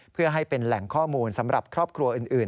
เพื่อให้เป็นแหล่งข้อมูลสำหรับครอบครัวอื่น